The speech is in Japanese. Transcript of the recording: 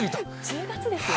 １０月ですよ。